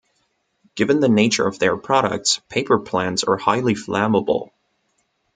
Given the nature of their products, paper plants are highly flammable.